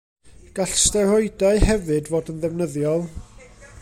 Gall steroidau hefyd fod yn ddefnyddiol.